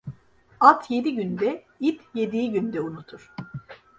At yedi günde, it yediği günde unutur.